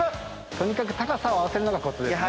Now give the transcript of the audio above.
とにかく高さを合わせるのがコツですね。